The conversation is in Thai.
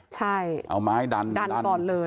ใช่ดันก่อนเลยเอาไม้ดัน